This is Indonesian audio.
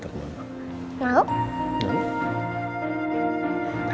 tapi jangan pelan pelan dulu ya